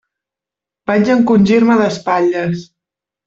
Vaig encongir-me d'espatlles.